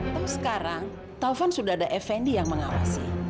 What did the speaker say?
tau sekarang taufan sudah ada efendi yang mengawasi